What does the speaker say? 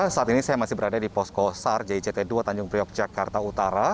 saat ini saya masih berada di posko sar jict dua tanjung priok jakarta utara